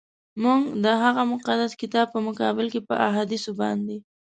موږ د هغه مقدس کتاب په مقابل کي په احادیثو باندي.